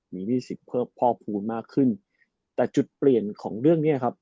มีหนี้สิทธิ์เพิ่มพ่อภูมิมากขึ้นแต่จุดเปลี่ยนของเรื่องเนี้ยครับ